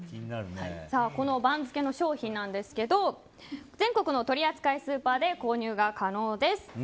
この番付の商品なんですが全国の取り扱いスーパーで購入が可能です。